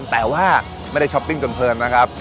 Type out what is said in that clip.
แต่ว่าไม่ได้ช้อปปิ้งจนเพลินนะครับ